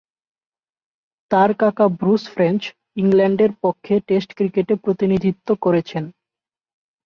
তার কাকা Bruce French ইংল্যান্ডের পক্ষে টেস্ট ক্রিকেটে প্রতিনিধিত্ব করেছেন।